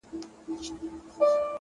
هوډ د ستونزو وزن کموي!.